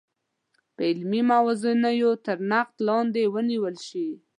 په علمي موازینو تر نقد لاندې ونیول شي.